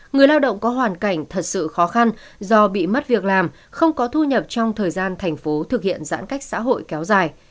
người lao động có hoàn cảnh thật sự khó khăn do bị mất việc làm không có thu nhập trong thời gian thành phố thực hiện giãn cách xã hội kéo dài